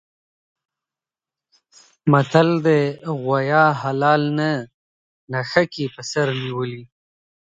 متل دی: غوایه حلال نه نښکي په سر نیولي.